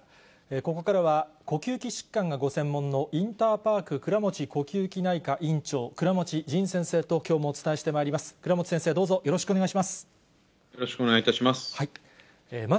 ここからは、呼吸器疾患がご専門のインターパーク倉持呼吸器内科院長、倉持仁先生ときょうもお伝えしてまいります。